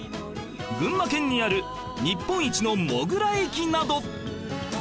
群馬県にある日本一のモグラ駅など